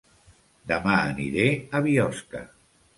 Dema aniré a Biosca